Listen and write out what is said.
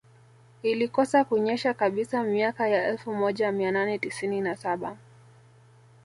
Ilikosa kunyesha kabisa miaka ya elfu moja mia nane tisini na saba